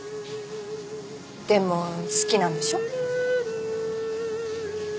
でも好きなんでしょ？